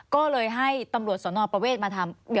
ก็เลยให้ตำรวจสนประเวทมาทำ